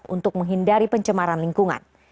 untuk menghindari pencemaran lingkungan